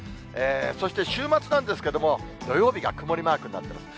そして週末なんですけども、土曜日が曇りマークになってます。